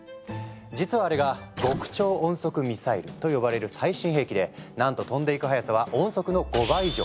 実はあれが極超音速ミサイルと呼ばれる最新兵器でなんと飛んでいく速さは音速の５倍以上。